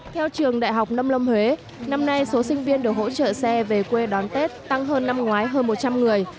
theo trường đại học nông lâm huế năm nay số sinh viên được hỗ trợ xe về quê đón tết tăng hơn năm ngoái hơn một trăm linh người